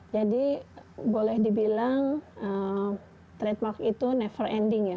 jadi boleh dibilang trademark itu never ending ya